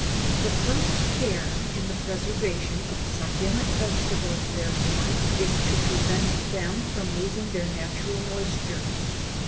The first Care in the preservation of succulent vegetables, therefore, is to prevent them from losing their natural moisture.